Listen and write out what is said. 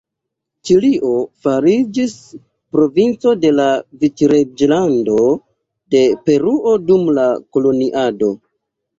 Ĉilio fariĝis provinco de la Vicreĝlando de Peruo dum la koloniado.